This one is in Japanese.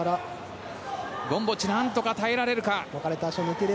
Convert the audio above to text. ゴムボッチなんとか耐えられるか。